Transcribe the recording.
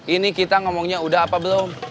ini kita ngomongnya udah apa belum